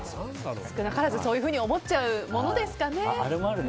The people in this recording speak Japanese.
少なからずそういうふうに思っちゃうものですかね。